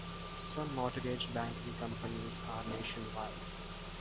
Some mortgage banking companies are nationwide.